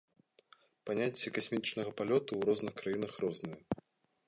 Паняцце касмічнага палёту ў розных краінах рознае.